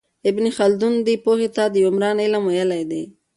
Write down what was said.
ابن خلدون دې پوهې ته د عمران علم ویلی دی.